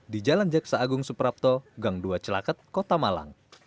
di jalan jaksa agung suprapto gang dua celaket kota malang